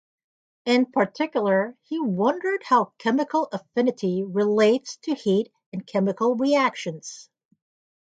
In particular, he wondered how chemical affinity relates to heat in chemical reactions.